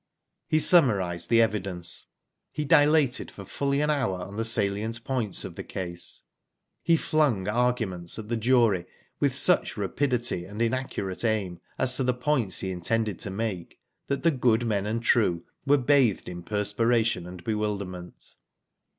He summarised the evidence. He dilated for fully an hour on the salient points of the case. He flung arguments at the jury with such rapidity and inaccurate aim as, to the points he intended to make, that .the "'good men and true " were bathed in perspiration and bewilderment.